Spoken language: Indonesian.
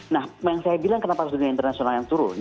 nah yang saya bilang kenapa harus dunia internasional yang turun